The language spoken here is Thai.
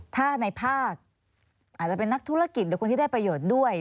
ถ้าในภาคอาจจะเป็นนักธุรกิจหรือคนที่ได้ประโยชน์ด้วย